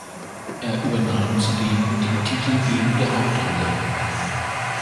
Er übernahm zudem die titelgebende Hauptrolle.